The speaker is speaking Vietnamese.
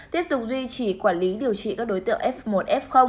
tiếp tục duy trì quản lý điều trị các đối tượng f một f